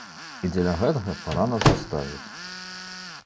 І дзеля гэтага пара нас заставіць.